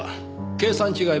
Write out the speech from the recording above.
計算違い？